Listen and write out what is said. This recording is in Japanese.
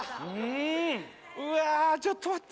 うわちょっと待って。